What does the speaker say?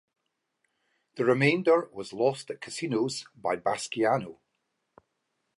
The remainder was lost at casinos by Basciano.